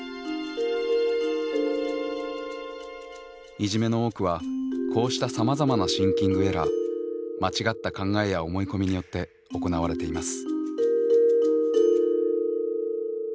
いじめの多くはこうしたさまざまなシンキングエラー間違った考えや思い込みによって行われています。